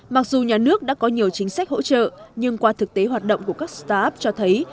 mặc dù nhà nước đã có nhiều chính sách hỗ trợ nhưng qua thực tế hoạt động của các start up cho thấy